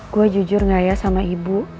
gue jujur gak ya sama ibu